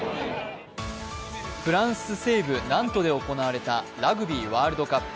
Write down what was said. フランス西部ナントで行われたラグビーワールドカップ